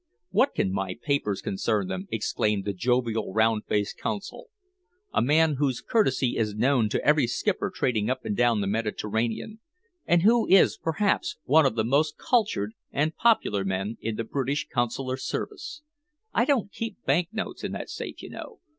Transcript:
"What can my papers concern them?" exclaimed the jovial, round faced Consul, a man whose courtesy is known to every skipper trading up and down the Mediterranean, and who is perhaps one of the most cultured and popular men in the British Consular Service. "I don't keep bank notes in that safe, you know.